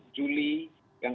juli yang kemarin